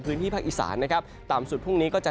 พื้นที่ภาคอีสานนะครับต่ำสุดพรุ่งนี้ก็จะ